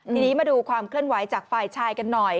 ทีนี้มาดูความเคลื่อนไหวจากฝ่ายชายกันหน่อย